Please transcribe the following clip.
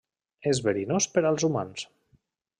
És verinós per als humans.